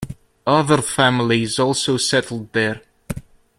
Other families also settled there.